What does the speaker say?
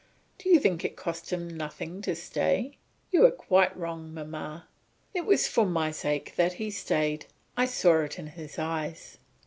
Do you think it cost him nothing to stay? You are quite wrong, mamma; it was for my sake that he stayed; I saw it in his eyes."